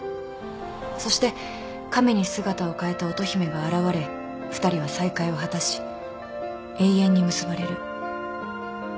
そして亀に姿を変えた乙姫が現れ２人は再会を果たし永遠に結ばれる。